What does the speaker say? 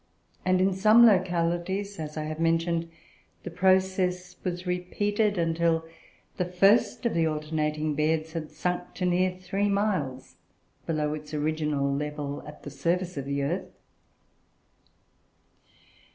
And, in some localities, as I have mentioned, the process was repeated until the first of the alternating beds had sunk to near three miles below its original level at the surface of the earth.